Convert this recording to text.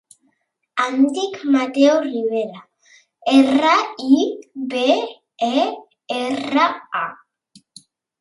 Em dic Mateo Ribera: erra, i, be, e, erra, a.